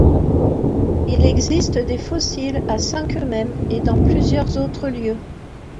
Il existe des fossiles à Cinqueux même et dans plusieurs autres lieux.